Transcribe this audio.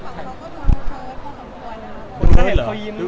แต่ทั้งฝั่งเขาก็ดูเฮิร์ด